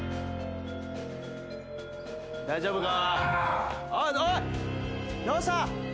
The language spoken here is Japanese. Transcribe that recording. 大丈夫か？